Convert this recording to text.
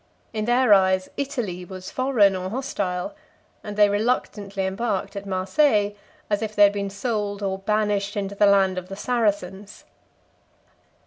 In their eyes, Italy was foreign or hostile; and they reluctantly embarked at Marseilles, as if they had been sold or banished into the land of the Saracens.